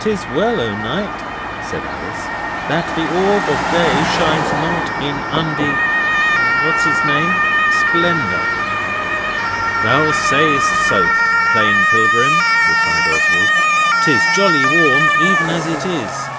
''Tis well, O Knight,' said Alice, 'that the orb of day shines not in undi what's its name? splendour.' 'Thou sayest sooth, Plain Pilgrim,' replied Oswald. ''Tis jolly warm even as it is.